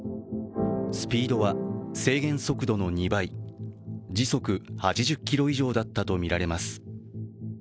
スピードは制限速度の２倍、時速８０ｋｍ以上だったとみられます。